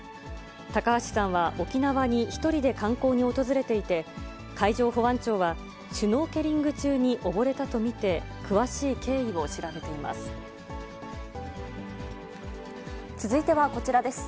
高橋さんは、沖縄に１人で観光に訪れていて、海上保安庁は、シュノーケリング中に溺れたと見て、詳しい経緯を調べています。